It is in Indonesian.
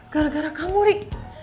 gara gara kamu rik